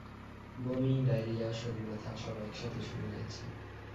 বমি, ডায়রিয়া, শরীর ব্যথা সব এক সাথে শুরু হয়েছে।